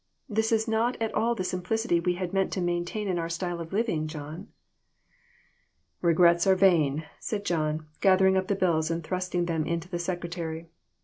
This is not at all the simplicity we had meant to maintain in our style of living, John." "Regrets are vain," said John, gathering up the bills and thrusting them into the secretary.